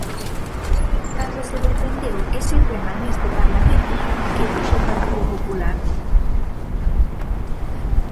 Cando se defendeu ese tema neste Parlamento ¿que fixo o Partido Popular?